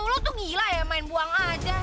dulu tuh gila ya main buang aja